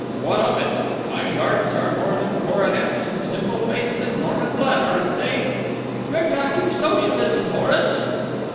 "What of it? Kind 'earts are more than coronets and simple faith than Norman blood, aren't they?" "You're talking Socialism, Horace."